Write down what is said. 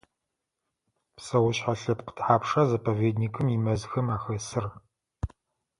Псэушъхьэ лъэпкъ тхьапша заповедникым имэзхэм ахэсыр?